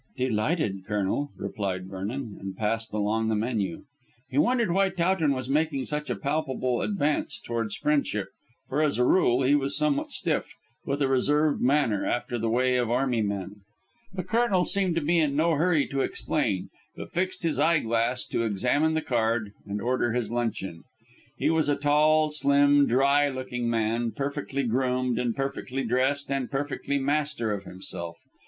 "Delighted, Colonel," replied Vernon, and passed along the menu. He wondered why Towton was making such a palpable advance towards friendship, for, as a rule, he was somewhat stiff, with a reserved manner, after the way of army men. The Colonel seemed to be in no hurry to explain, but fixed his eyeglass to examine the card, and order his luncheon. He was a tall, slim, dry looking man, perfectly groomed and perfectly dressed and perfectly master of himself.